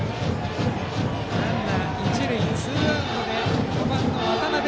ランナー、一塁ツーアウトで５番の渡邉。